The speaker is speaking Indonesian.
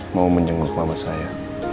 mau menjenguk mama saya